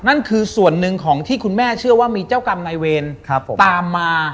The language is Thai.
นั่นคือส่วนหนึ่งของที่คุณแม่เชื่อว่ามีเจ้ากรรมนายเวรตามมา